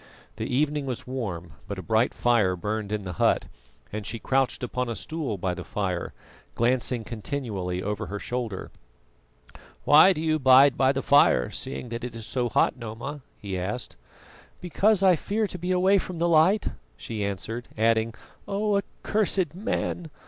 The evening was warm, but a bright fire burned in the hut, and she crouched upon a stool by the fire, glancing continually over her shoulder. "Why do you bide by the fire, seeing that it is so hot, Noma?" he asked. "Because I fear to be away from the light," she answered; adding, "Oh, accursed man!